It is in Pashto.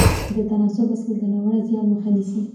د تناسب اصل د ناوړه زیان مخه نیسي.